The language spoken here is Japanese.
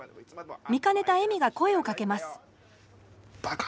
見かねた恵美が声をかけますバカ！